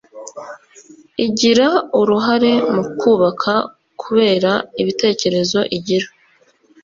igira uruhare mu kubaka kubera ibitekerezo igira